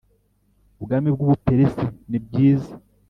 ubwami bw u Buperesi nibwiza